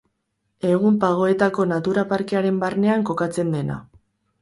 Egun Pagoetako natura parkearen barnean kokatzen dena.